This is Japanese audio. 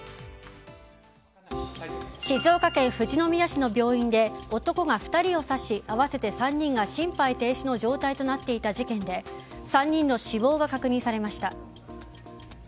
静岡県富士宮市の病院で男が２人を刺し、合わせて３人が心肺停止の状態となっていた事件で３人の死亡が確認されました。